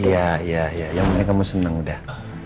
iya yang mana kamu seneng udah